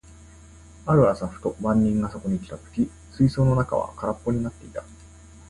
ある朝、ふと番人がそこに来た時、水槽の中は空っぽになっていた。